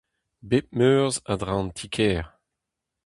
Bep Meurzh a-dreñv an Ti-kêr.